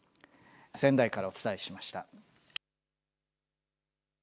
仙台からお伝えしました。